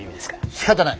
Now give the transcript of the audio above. しかたない。